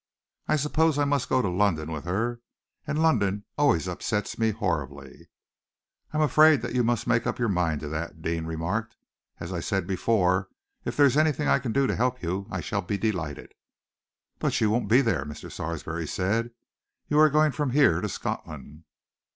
I suppose I must go to London with her, and London always upsets me horribly." "I am afraid that you must make up your mind to that," Deane remarked. "As I said before, if there is anything I can do to help you, I shall be delighted." "But you won't be there," Mr. Sarsby said. "You are going from here to Scotland."